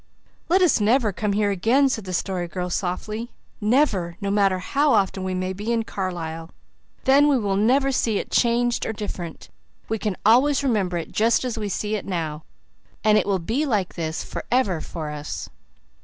"Let us never come here again," said the Story Girl softly, "never, no matter how often we may be in Carlisle. Then we will never see it changed or different. We can always remember it just as we see it now, and it will be like this for ever for us."